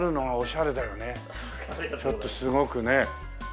ちょっとすごくね。